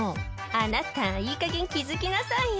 「あなたいいかげん気付きなさいよ」